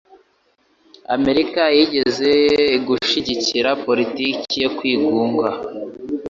Amerika yigeze gushigikira politiki yo kwigunga.